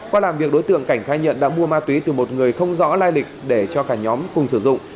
qua làm việc đối tượng cảnh khai nhận đã mua ma túy từ một người không rõ lai lịch để cho cả nhóm cùng sử dụng